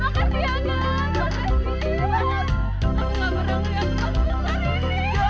pergi nih aku aja pisangnya